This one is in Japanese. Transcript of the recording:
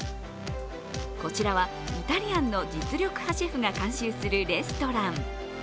こちらは、イタリアンの実力派シェフが監修するレストラン。